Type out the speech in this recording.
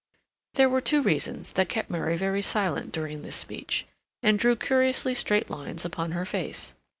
There were two reasons that kept Mary very silent during this speech, and drew curiously straight lines upon her face.